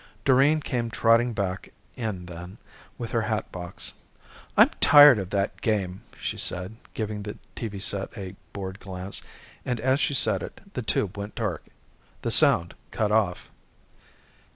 Doreen came trotting back in then, with her hat box. "I'm tired of that game," she said, giving the TV set a bored glance. And as she said it the tube went dark. The sound cut off.